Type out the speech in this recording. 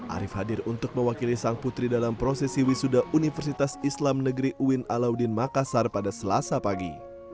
arief hadir untuk mewakili sang putri dalam prosesi wisuda universitas islam negeri uin alauddin makassar pada selasa pagi